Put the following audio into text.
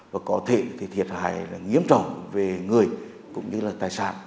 và có thể thì thiệt hại nghiêm trọng về người cũng như là tài sản